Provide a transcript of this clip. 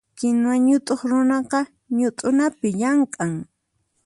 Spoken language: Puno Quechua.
Kinuwa ñutuq runaqa ñutunapi llamk'an.